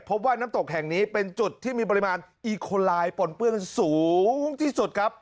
พบว่าน้ำตกแห่งนี้เป็นจุดที่มีปริมาณอีโคลายปนเปื้อนสูงที่สุดครับ